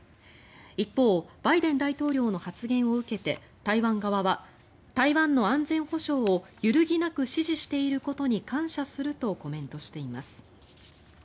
一方バイデン大統領の発言を受けて台湾側は台湾の安全保障を揺るぎなく支持していることに感謝するとコメントしています。